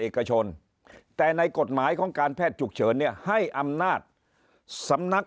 เอกชนแต่ในกฎหมายของการแพทย์ฉุกเฉินเนี่ยให้อำนาจสำนัก